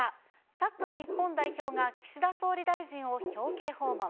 サッカー日本代表が岸田総理大臣を表敬訪問。